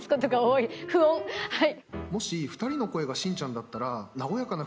はい。